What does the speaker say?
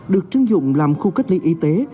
được trưng dụng làm khu cách ly y tế